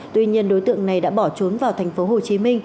tuy nhiên đối tượng này đã bỏ trốn vào tp hcm